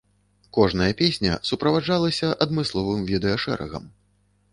Кожная песня суправаджалася адмысловым відэашэрагам.